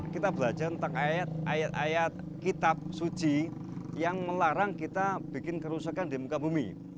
kita belajar tentang ayat ayat kitab suci yang melarang kita bikin kerusakan di muka bumi